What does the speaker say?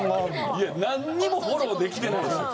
いやなんにもフォローできてないですよ。